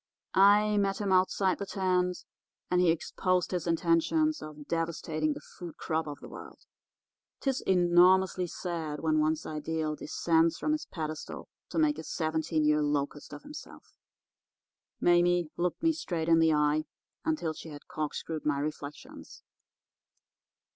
I met him outside the tent, and he exposed his intentions of devastating the food crop of the world. 'Tis enormously sad when one's ideal descends from his pedestal to make a seventeen year locust of himself.' "Mame looked me straight in the eye until she had corkscrewed my reflections.